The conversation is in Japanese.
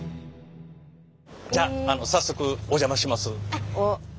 じゃああの早速お邪魔します。